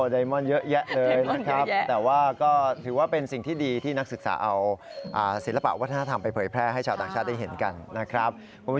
ไดมอนดเยอะแยะเลยนะครับแต่ว่าก็ถือว่าเป็นสิ่งที่ดีที่นักศึกษาเอาศิลปะวัฒนธรรมไปเผยแพร่ให้ชาวต่างชาติได้เห็นกันนะครับ